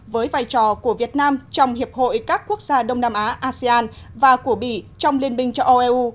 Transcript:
với vai trò của việt nam trong hiệp hội các quốc gia đông nam á asean và của bỉ trong liên minh châu âu eu